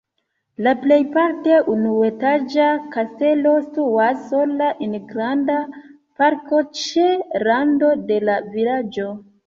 La plejparte unuetaĝa kastelo situas sola en granda parko ĉe rando de la vilaĝo.